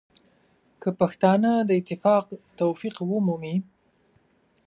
که پښتانه د اتفاق توفیق ومومي.